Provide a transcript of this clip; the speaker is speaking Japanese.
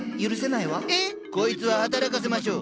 こいつは働かせましょう！